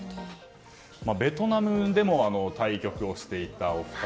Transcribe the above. ベトナムでも対局をしていたお二人。